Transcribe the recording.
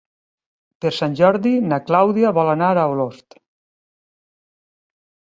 Per Sant Jordi na Clàudia vol anar a Olost.